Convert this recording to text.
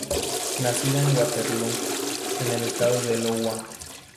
Nacida en Waterloo, en el Estado de Iowa.